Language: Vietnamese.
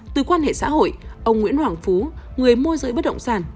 từ quan hệ xã hội ông nguyễn hoàng phú người môi giới bất động sản